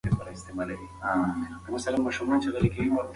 هڅه وکړه چې د نورو تعصب ته اهمیت ورنه کړې او یووالی غوره کړه.